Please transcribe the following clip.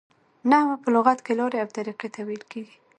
نحوه په لغت کښي لاري او طریقې ته ویل کیږي.